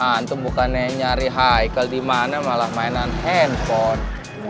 antum bukannya nyari haikel dimana malah mainan handphone